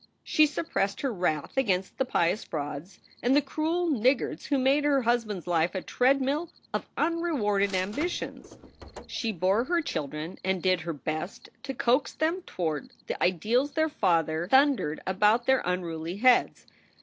She suppressed her wrath against the pious frauds and the cruel niggards who made her husband s life a treadmill of unrewarded ambitions. She bore her children and did her best to coax them toward the ideals their father thundered about their unruly heads.